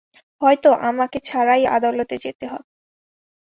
হয়ত আমাকে ছাড়াই আদালতে যেতে হবে।